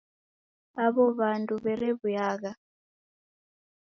Aw'o w'andu w'erewuyagha